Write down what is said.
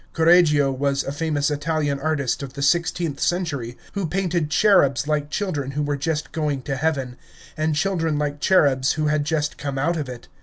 Correggio was a famous Italian artist of the sixteenth century, who painted cherubs like children who were just going to heaven, and children like cherubs who had just come out of it.